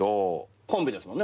コンビですもんね。